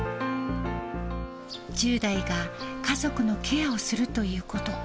１０代が家族のケアをするということ。